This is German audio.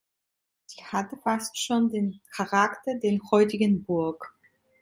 Sie hatte fast schon den Charakter der heutigen Burg.